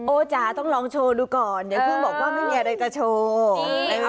โอ้จ๋าต้องลองโชว์ดูก่อนเดี๋ยวพึ่งบอกว่าไม่มีอะไรจะโชว์